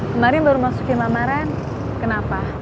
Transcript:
kemarin baru masuk ke imamaran kenapa